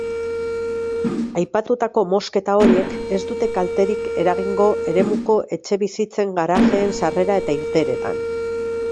Aipatutako mozketa horiek ez dute kalterik eragingo eremuko etxebizitzen garajeen sarrera eta irteeretan.